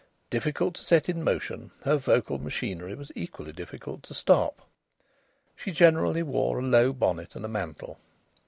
Difficult to set in motion, her vocal machinery was equally difficult to stop. She generally wore a low bonnet and a mantle.